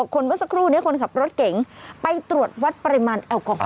คนเมื่อสักครู่นี้คนขับรถเก๋งไปตรวจวัดปริมาณแอลกอฮอล